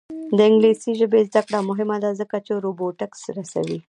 د انګلیسي ژبې زده کړه مهمه ده ځکه چې روبوټکس رسوي.